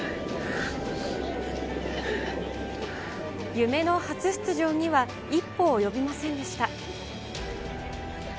夢の初出場には一歩及びませんでした。